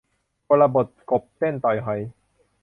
กลบทกบเต้นต่อยหอย